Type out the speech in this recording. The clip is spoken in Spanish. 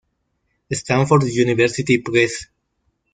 Stanford University Press